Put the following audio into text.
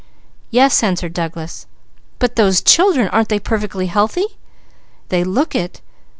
"Yes," answered Douglas. "But those children! Aren't they perfectly healthy?" "They look it!